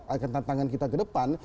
akan tantangan kita ke depan